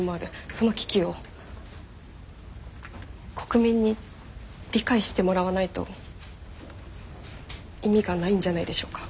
その危機を国民に理解してもらわないと意味がないんじゃないでしょうか？